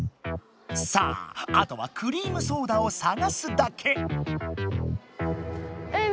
さああとはクリームソーダを探すだけ！